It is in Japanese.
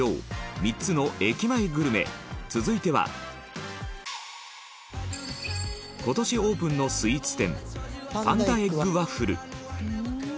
３つの駅前グルメ続いては今年オープンのスイーツ店パンダエッグワッフル